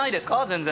全然。